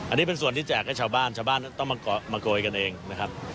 อันนี้เป็นส่วนที่แจกให้ชาวบ้านชาวบ้านต้องมาโกยกันเองนะครับ